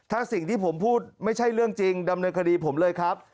ถ้าสิ่งที่ผมพูดไม่ใช่เรื่องจริงดำเนินคดีผมเลยครับ